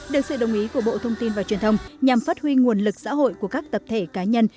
được sự đồng ý của bộ thông tin và truyền thông nhằm phát huy nguồn lực xã hội của các tập thể cá nhân